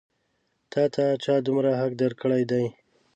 تا ته چا دومره حق درکړی دی؟